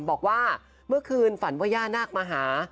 บอกว่าเมื่อคืนฝันว่าย่านาคมาหา